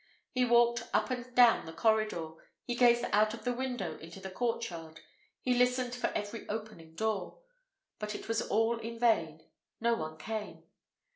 He walked up and down the corridor, he gazed out of the window into the court yard, he listened for every opening door. But it was all in vain; no one came.